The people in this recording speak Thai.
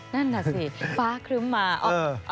นั่นน่ะสิฟ้าครึ้มมา